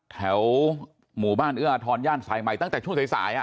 แถวหมู่บ้านเอื้อทรญาติสายใหม่ตั้งแต่ช่วงสายสายอะ